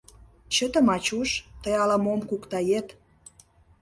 Чыте, Мачуш, тый ала-мом куктает.